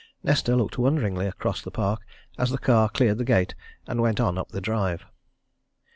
Nesta looked wonderingly across the park as the car cleared the gate and went on up the drive.